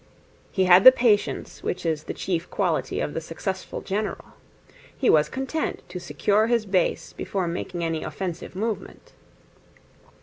He had the patience which is the chief quality of the successful general. He was content to secure his base before making any offensive movement.